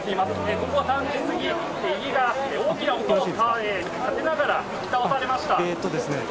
午後３時過ぎ、家が大きな音を立てながら引き倒されました。